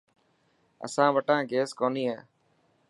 اسان وٽان گيس ڪوني هي.